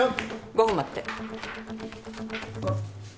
５分待って。